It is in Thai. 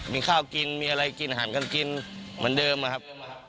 มีข้าวกินมีอะไรกินอาหารกันกินเหมือนเดิมนะครับ